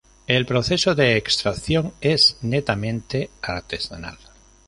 El proceso de extracción es netamente artesanal.